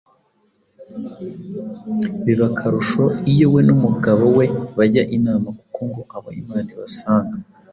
Biba akarusho iyo we n’umugabo we bajya inama kuko ngo abo Imana ibasanga.